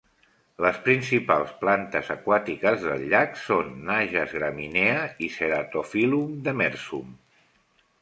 Les principals plantes aquàtiques del llac són "najas graminea" i "ceratophyllum demersum".